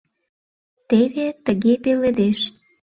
Теве тыге пеледеш.